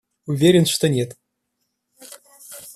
Уверен, что нет.